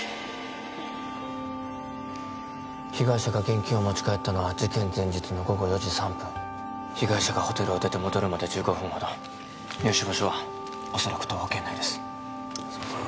被害者が現金を持ち帰ったのは事件前日の午後４時３分被害者がホテルを出て戻るまで１５分ほど入手場所はおそらく徒歩圏内ですすいません